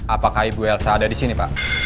apakah ibu elsa ada disini pak